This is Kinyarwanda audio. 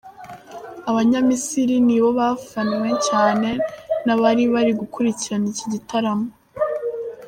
Abanyamisiri nibo bafanwe cyane n’abari bari gukurikirana iki gitaramo.